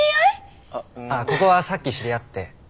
あっここはさっき知り合って。